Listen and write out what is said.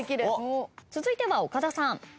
続いては岡田さん。